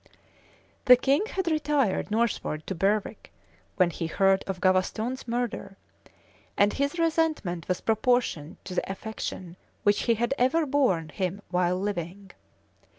[] The king had retired northward to Berwick, when he heard of Gavaston's murder; and his resentment was proportioned to the affection which he had ever borne him while living.